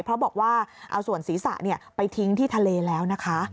เพราะบอกว่าเอาส่วนศีรษะไปทิ้งที่ทะเลแล้วนะคะ